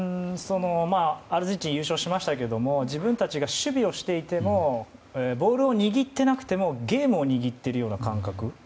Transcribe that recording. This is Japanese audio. アルゼンチンが優勝しましたけど自分たちが守備をしていてもボールを握っていなくてもゲームを握っているような感覚。